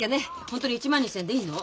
本当に１万２，０００円でいいの？